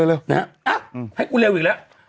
อ้าให้กูเร็วอีกหรอ